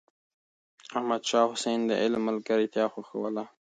احمد شاه حسين د علم ملګرتيا خوښوله.